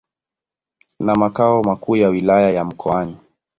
na makao makuu ya Wilaya ya Mkoani.